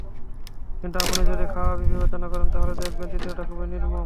কিন্তু আপনি যদি খাতওয়ারি বিবেচনা করেন তাহলে দেখবেন, চিত্রটা খুবই নির্মম।